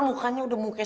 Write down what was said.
s saya terima tante